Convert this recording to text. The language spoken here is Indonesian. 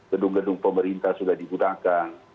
gedung gedung pemerintah sudah digunakan